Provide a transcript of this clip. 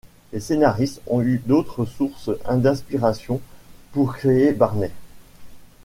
Les scénaristes ont eu d'autres sources d'inspiration pour créer Barney.